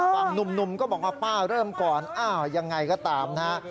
ฝั่งหนุ่มก็บอกว่าป้าเริ่มก่อนอ้าวยังไงก็ตามนะฮะ